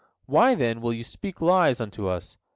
Why, then, will you speak lies unto us?